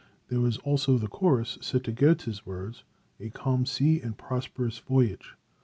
There was also the chorus set to Goethe's words, "A Calm Sea and Prosperous Voyage."